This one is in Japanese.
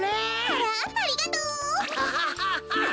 あらありがとう。ハハハ。